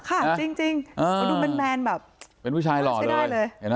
อ่าค่ะจริงมาดูแบนแบบเป็นผู้ชายหล่อเลยเห็นไหม